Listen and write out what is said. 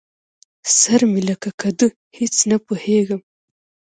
سر مې لکه کدو؛ هېڅ نه پوهېږم.